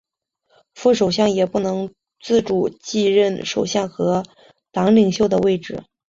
副首相也不能自动继任首相和党领袖的位置。